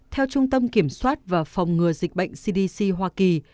theo trung tâm kiểm soát và phòng ngừa dịch bệnh cdc hoa kỳ